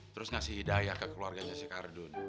terus ngasih hidayah ke keluarganya si kardun